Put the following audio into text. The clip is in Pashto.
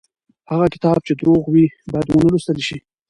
هغه کتاب چې دروغ وي بايد ونه لوستل شي.